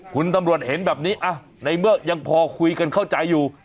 คุณตำรวจเห็นแบบนี้ในเมื่อยังพอคุยกันเข้าใจอยู่